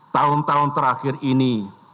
tahun tahun terakhir ini